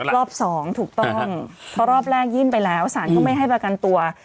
รอบสองถูกต้องเพราะรอบแรกยื่นไปแล้วสารก็ไม่ให้ประกันตัว